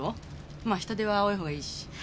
まあ人手は多い方がいいし。